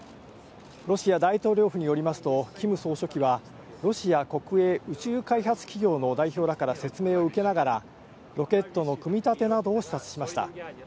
ロシア大統領府によりますと、キム総書記は、ロシア国営宇宙開発企業の代表らから説明を受けながら、ロケットの組み立てなどを視察しました。